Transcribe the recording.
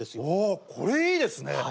おおこれいいですね。